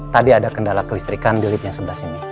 tadi ada kendala kelistrikan di lift yang sebelah sini